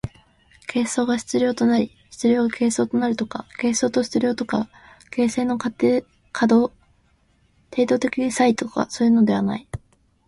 形相が質料となり質料が形相となるとか、形相と質料とか形成の程度的差異とかというのではない。